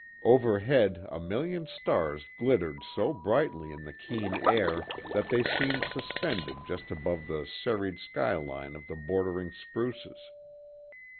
Overhead a million stars glittered so brightly in the keen air that they seemed suspended just above the serried skyline of the bordering spruces.